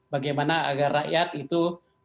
bagaimana agar rakyat itu